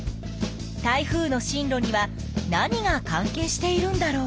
台風の進路には何が関係しているんだろう？